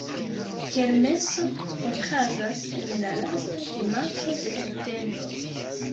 Kermeso okazas en la lasta dimanĉo de septembro.